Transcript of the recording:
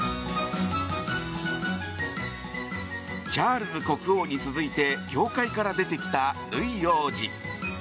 チャールズ国王に続いて教会から出てきたルイ王子。